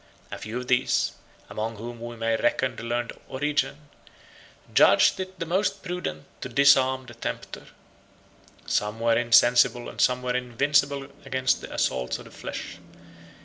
95 A few of these, among whom we may reckon the learned Origen, judged it the most prudent to disarm the tempter. 96 Some were insensible and some were invincible against the assaults of the flesh.